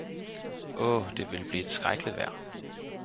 Oh, det ville blive et skrækkeligt vejr